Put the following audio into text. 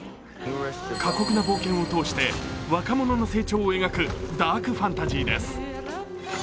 過酷な冒険を通して、若者の成長を描くダークファンタジーです。